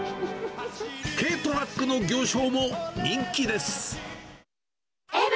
軽トラックの行商も人気です。